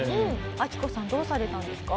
アキコさんどうされたんですか？